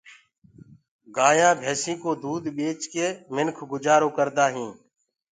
گآيونٚ ڪآ مِنک ڀيسينٚ ڪو دود ٻيچ ڪي گجآرو ڪردآ هينٚ۔